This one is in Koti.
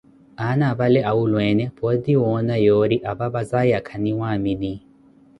Aana apale awulweene pooti woona yoori apapa zaya khaniwamini.